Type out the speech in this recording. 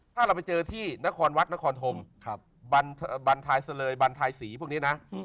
ถ้าเราไปเจอที่นครวัฒน์นครธมบรรไทรเสลยบรรไทรศรีพวกนี้นะ